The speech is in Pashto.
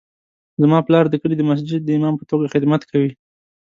زما پلار د کلي د مسجد د امام په توګه خدمت کوي